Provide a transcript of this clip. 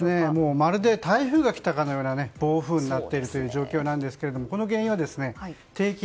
まるで台風が来たかのような暴風になっている状況ですけどもこの原因は低気圧。